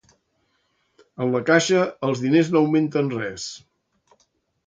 En la caixa, els diners no augmenten res.